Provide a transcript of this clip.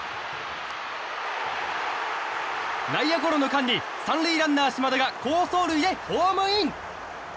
内野ゴロの間に３塁ランナー、島田が好走塁でホームイン。